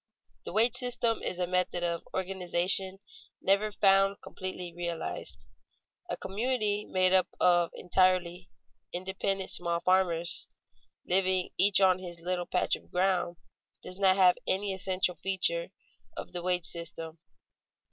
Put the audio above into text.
_ The wage system is a method of organization never found completely realized. A community made up entirely of independent small farmers, living each on his little patch of ground, does not have any essential feature of the wage system.